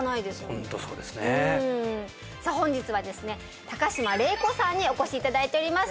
ホントそうですねさあ本日はですね高島礼子さんにお越しいただいております